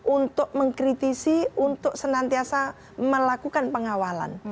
untuk mengkritisi untuk senantiasa melakukan pengawalan